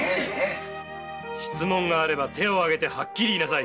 質問があれば手をあげてはっきり言いなさい。